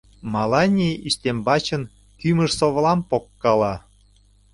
Маланьи ӱстембачын кӱмыж-совлам погкала.